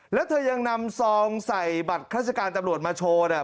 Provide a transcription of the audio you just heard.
และเธอยังนำซองใส่บัตรฆาติการตำรวจมาโชว์เนี่ย